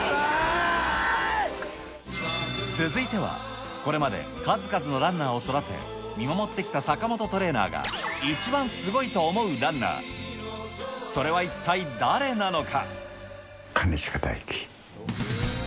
続いては、これまで数々のランナーを育て、見守ってきた坂本トレーナーが、１番すごいと思うランナー、それは一体誰なのか。